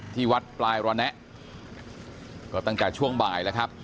ที่วัดปลายระแนะก็ตั้งแต่ช่วงบ่ายแล้วครับ